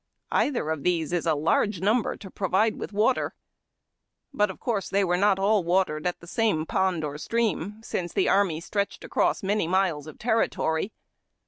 Either of these is a large number to provide with water. But of course they were not all watered at the same pond or stream, since the army stretched across many miles of territory.